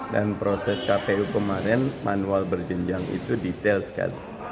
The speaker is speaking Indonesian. dan proses kpu kemarin manual berjenjang itu detail sekali